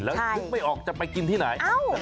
แล้วนึกไม่ออกจะไปกินที่ไหน